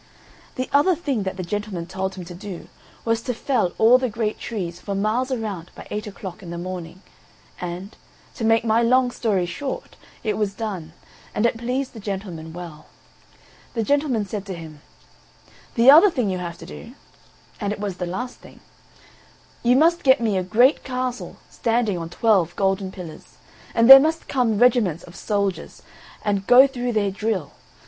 The other thing that the gentleman told him to do was to fell all the great trees for miles around by eight o'clock in the morning; and, to make my long story short, it was done, and it pleased the gentleman well The gentleman said to him: "The other thing you have to do" (and it was the last thing) "you must get me a great castle standing on twelve golden pillars; and there must come regiments of soldiers and go through their drill.